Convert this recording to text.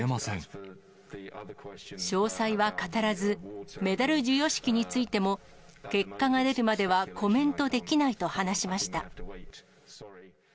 詳細は語らず、メダル授与式についても結果が出るまではコメントできないと話しました。